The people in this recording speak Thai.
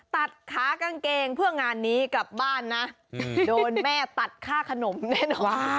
ตัดขากางเกงเพื่องานนี้กลับบ้านนะโดนแม่ตัดค่าขนมแน่นอน